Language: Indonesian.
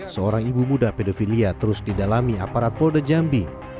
seorang ibu muda pedofilia terus didalami aparat polda jambi